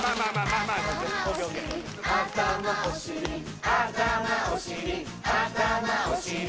あたまおしりあたまおしりあたまおしり